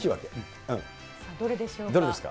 どれでしょうか。